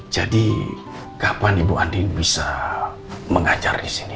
jadi kapan ibu andien bisa mengajar disini